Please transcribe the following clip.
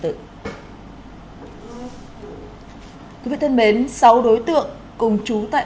thưa quý vị thân mến sáu đối tượng cùng chú tại